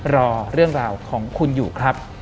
รอเรื่องราวของคุณอยู่ครับ